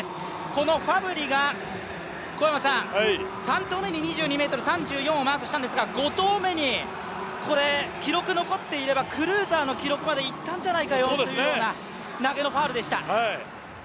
このファブリが３投目に２２ｍ３４をマークしたんですが、５投目に記録が残っていればクルーザーの記録までいったんじゃないかという投げのファウルでした。